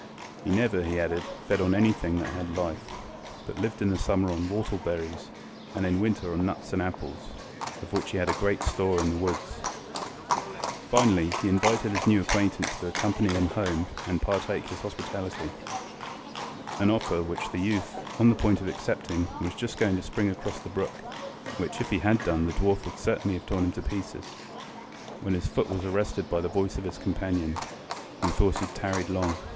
He never, he added, fed on anything that had life, but lived in the summer on whortle berries, and in winter on nuts and apples, of which he had great store in the woods. Finally, he invited his new acquaintance to accompany him home and partake his hospitality, an offer which the youth was on the point of accepting, and was just going to spring across the brook (which if he had done, the dwarf would certainly have torn him to pieces) when his foot was arrested by the voice of his companion, who thought he had tarried long.